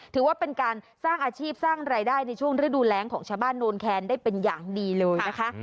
ถือว่าเป็นการสร้างอาชีพสร้างรายได้ในช่วงฤดูแรงของชาวบ้านโนนแคนได้เป็นอย่างดีเลยนะคะ